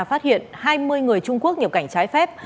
phát hiện hai mươi người trung quốc nhập cảnh trái phép